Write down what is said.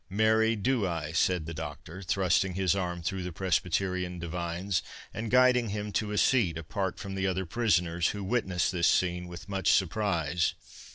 "Marry, do I," said the Doctor, thrusting his arm through the Presbyterian divine's, and guiding him to a seat apart from the other prisoners, who witnessed this scene with much surprise.